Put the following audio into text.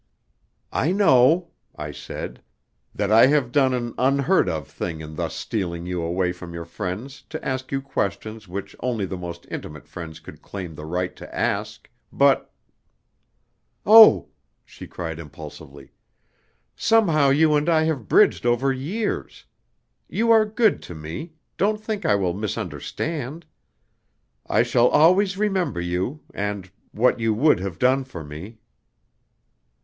"I know," I said, "that I have done an unheard of thing in thus stealing you away from your friends to ask you questions which only the most intimate friends could claim the right to ask, but " "Oh," she cried, impulsively. "Somehow you and I have bridged over years. You are good to me don't think I will misunderstand. I shall always remember you, and what you would have done for me."